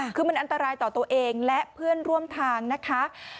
คือมันอันตรายต่อตัวเองและเพื่อนร่วมทางนะคะ